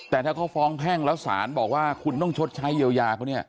แต่ถ้าเขาฟ้องแพ่งแล้วสารบอกว่าคุณต้องชดใช้เยียวยาเขาเนี่ย